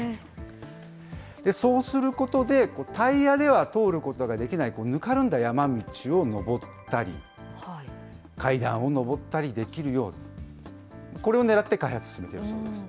そうすることで、タイヤでは通ることができないぬかるんだ山道を登ったり、階段を上ったりできるように、これをねらって開発を進めているそうです。